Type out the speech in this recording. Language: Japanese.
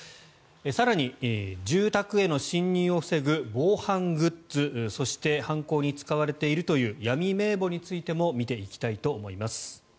更に住宅への侵入を防ぐ防犯グッズそして、犯行に使われているという闇名簿についても見ていきたいと思います。